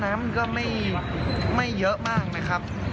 มันก็ไม่เยอะมากนะครับ